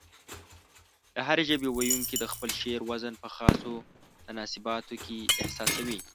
د هرې ژبې ويونکي د خپل شعر وزن په خاصو تناسباتو کې احساسوي.